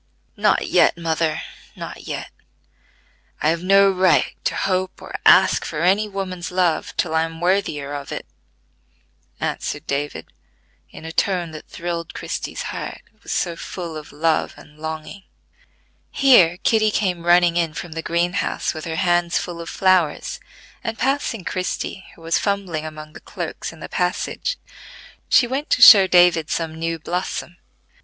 "Not yet, mother, not yet. I have no right to hope or ask for any woman's love till I am worthier of it," answered David in a tone that thrilled Christie's heart: it was so full of love and longing. Here Kitty came running in from the green house with her hands full of flowers, and passing Christie, who was fumbling among the cloaks in the passage, she went to show David some new blossom.